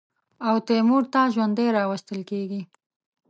او تیمور ته ژوندی راوستل کېږي.